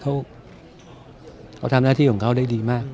เพราะเธอนั่นทำหน้าที่ของเขาได้ดีมาก